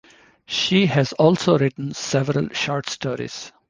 She has also written several short stories.